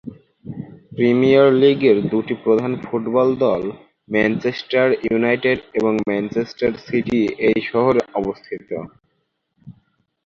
Premier লীগের দুটি প্রধান ফুটবল দল ম্যানচেস্টার ইউনাইটেড এবং ম্যানচেস্টার সিটি এই শহরে অবস্থিত।